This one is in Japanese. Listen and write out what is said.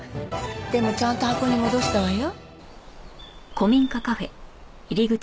でもちゃんと箱に戻したわよ。